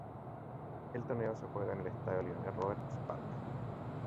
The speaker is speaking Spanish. El torneo se juega en el Estadio Lionel Roberts Park.